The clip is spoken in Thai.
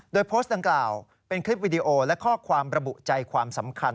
โดยโพสต์ดังกล่าวเป็นคลิปวิดีโอและข้อความระบุใจความสำคัญ